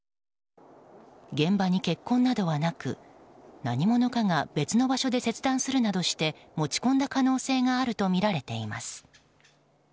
現場に血痕などはなく、何者かが別の場所で切断するなどして持ち込んだ可能性があるとみられています。